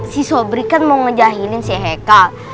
si sobrir kan mau ngejahilin si hekal